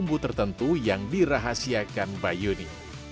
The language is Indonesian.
ini adalah satu dari beberapa makanan yang diperkenalkan oleh bayuni